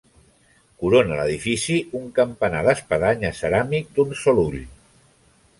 Corona l'edifici un campanar d'espadanya ceràmic d'un sol ull.